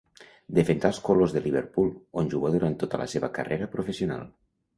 Defensà els colors de Liverpool, on jugà durant tota la seva carrera professional.